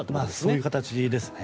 そういう形ですね。